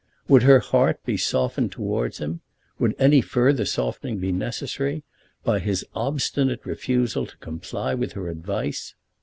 Would her heart be softened towards him, would any further softening be necessary, by his obstinate refusal to comply with her advice?